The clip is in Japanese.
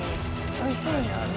おいしいよね。